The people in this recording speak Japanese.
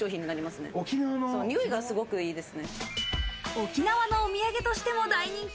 沖縄のお土産としても大人気。